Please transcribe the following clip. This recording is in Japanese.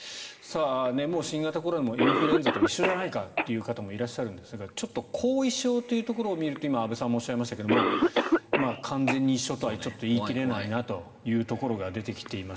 新型コロナもインフルエンザと一緒じゃないかという方もいらっしゃるんですが後遺症というところを見ると安部さんもおっしゃいましたが完全に一緒とは言い切れないなというところが出てきています。